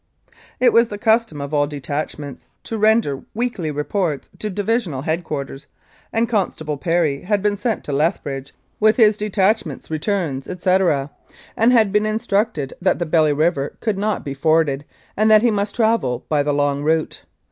It was the custom of all detachments to render weekly reports to Divisional Head quarters, and Constable Perry had been sent to Lethbridge with his detachment's 263 Mounted Police Life in Canada returns, etc., and had been instructed that the Belly River could not be forded, and that he must travel by the long route.